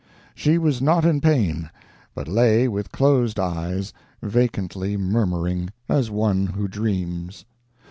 She was not in pain, but lay with closed eyes, vacantly murmuring, as one who dreams.